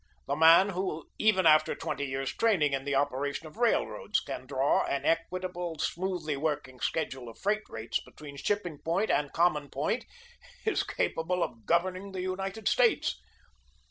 The man who, even after twenty years' training in the operation of railroads, can draw an equitable, smoothly working schedule of freight rates between shipping point and common point, is capable of governing the United States.